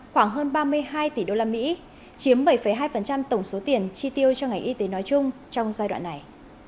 khoảng hơn ba mươi hai tỷ đô la mỹ chiếm bảy hai tổng số tiền chi tiêu cho ngành y tế nói chung trong giai đoạn này